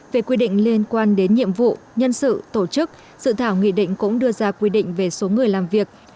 về quy định liên quan đến nhiệm vụ nhân sự tổ chức sự thảo nghị định cũng đưa ra quy định về số người làm việc